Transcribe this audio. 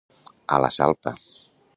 A la salpa.